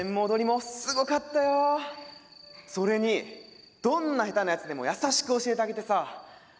それにどんな下手なやつでも優しく教えてあげてさ。